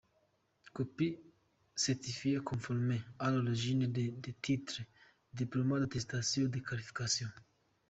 copie certifiée conforme à l’original des titres, diplômes, attestations de qualification.